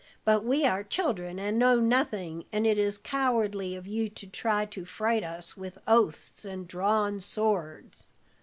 But we are children and know nothing, and it is cowardly of you to try to fright us with oaths and drawn swords!'"